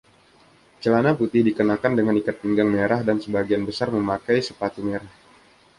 Celana putih dikenakan dengan ikat pinggang merah dan sebagian besar memakai sepatu merah.